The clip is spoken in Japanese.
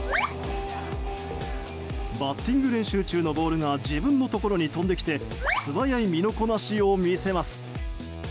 バッティング練習中のボールが自分のところに飛んできて素早い身のこなしを見せます。